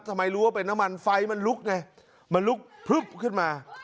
ทำไมรู้ว่าเป็นน้ำมันไฟมันลุกไงมันลุกพลึบขึ้นมา